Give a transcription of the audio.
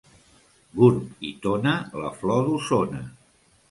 Gurb i Tona, la flor d'Osona.